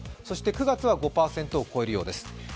９月は５％を超えるようです。